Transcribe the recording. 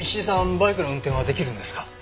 バイクの運転は出来るんですか？